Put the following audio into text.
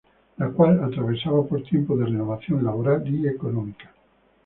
La cual atravesaba por tiempos de renovación laboral y económica.